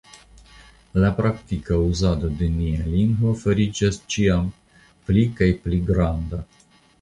La praktika uzado de nia lingvo fariĝas ĉiam pli kaj pli granda.